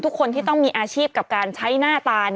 ทุกคนที่ต้องมีอาชีพกับการใช้หน้าตา